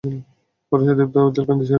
পৌরুষদীপ্ত উজ্জ্বল কান্তি শরীর।